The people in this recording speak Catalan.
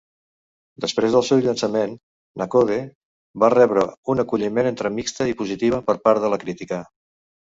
Després del seu llançament, "No Code" va rebre un acolliment entre mixta i positiva per part de la crítica.